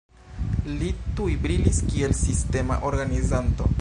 Li tuj brilis kiel sistema organizanto.